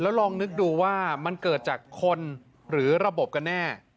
ลองนึกดูว่ามันเกิดจากคนหรือระบบกันแน่